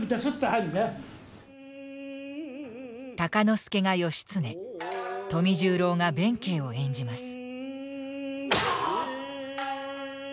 鷹之資が義経富十郎が弁慶を演じます。